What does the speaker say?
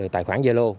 tài khoản gia lô